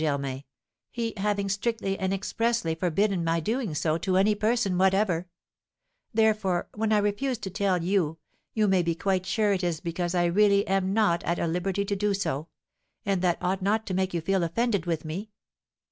Germain, he having strictly and expressly forbidden my so doing to any person whatever; therefore, when I refuse to tell you, you may be quite sure it is because I really am not at liberty to do so; and that ought not to make you feel offended with me.